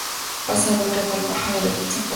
Pasado un rato, el pájaro se posa.